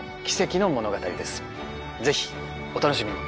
ぜひお楽しみに。